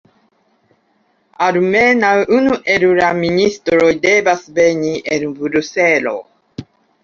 Almenaŭ unu el la ministroj devas veni el Bruselo.